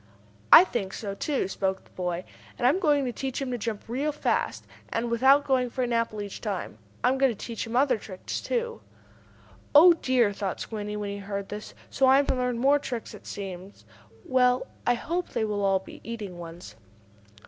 "I think so, too," spoke the boy. "And I am going to teach him to jump real fast, and without going for an apple each time. I'm going to teach him other tricks, too." "Oh dear!" thought Squinty, when he heard this. "So I am to learn more tricks, it seems. Well, I hope they will all be eating ones."